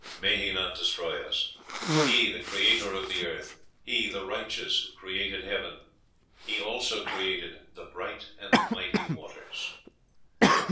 May he not destroy us; He, the creator of the earth; He, the righteous, who created heaven. He also created the bright and mighty waters."